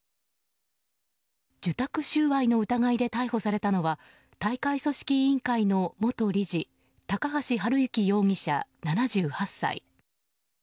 受託収賄の疑いで逮捕されたのは大会組織委員会の元理事高橋治之容疑者、７８歳。